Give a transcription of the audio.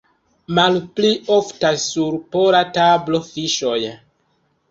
Malpli oftas sur pola tablo fiŝoj.